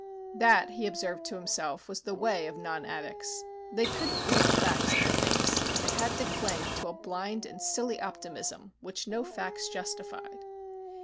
That, he observed to himself, was the way of non addicts. They couldn't look facts in the face. They had to cling to a blind and silly optimism which no facts justified.